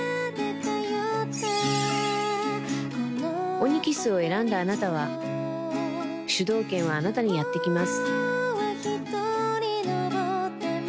オニキスを選んだあなたは主導権はあなたにやって来ます